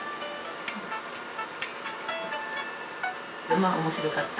まあ面白かった。